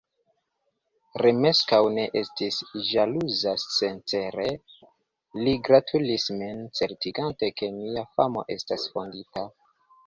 Romeskaŭ ne estis ĵaluza; sincere li gratulis min, certigante, ke mia famo estas fondita.